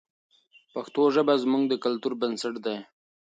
پښتو ژبه زموږ د کلتور بنسټ دی.